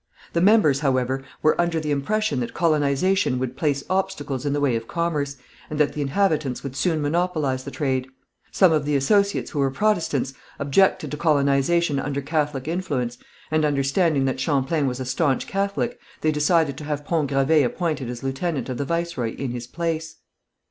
The members, however, were under the impression that colonization would place obstacles in the way of commerce, and that the inhabitants would soon monopolize the trade. Some of the associates who were Protestants objected to colonization under Catholic influence, and understanding that Champlain was a staunch Catholic, they decided to have Pont Gravé appointed as lieutenant of the viceroy, in his place.